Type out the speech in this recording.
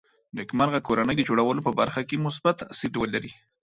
نېکمرغه کورنۍ د جوړولو په برخه کې مثبت تاثیر ولري